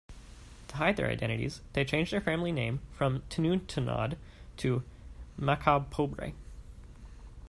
To hide their identities, they changed their family name from Tanudtanod to Macapobre.